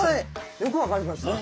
よく分かりますね。